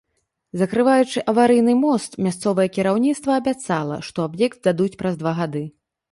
Закрываючы аварыйны мост, мясцовае кіраўніцтва абяцала, што аб'ект здадуць праз два гады.